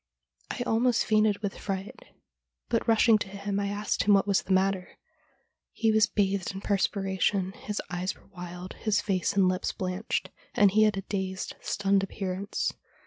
I almost fainted with .fright, but rushing to him I asked him what was the matter. He was bathed in perspiration, his eyes were wild, his face and lips blanched, and he had a dazed, stunned appearance.